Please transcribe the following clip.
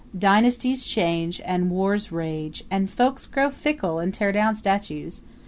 Dynasties change and wars rage, and folks grow fickle and tear down statues.